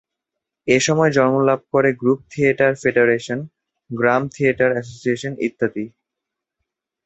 এসময় জন্মলাভ করে গ্রুপ থিয়েটার ফেডারেশন, গ্রাম থিয়েটার অ্যাসোসিয়েশন ইত্যাদি।